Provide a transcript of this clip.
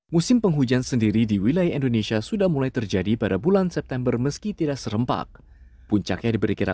musim penghujan sendiri di wilayah indonesia sudah mulai terjadi pada bulan september meski tidak serempaknya